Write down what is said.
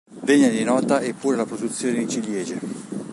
Degna di nota è pure la produzione di ciliegie.